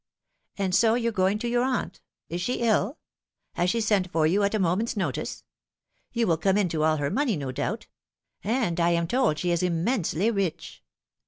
And so you're going to your aunt. la she ill ? Has she sent for you at a moment's notice ? You will come into all her money, no doubt ; and I am told she is immensely rich."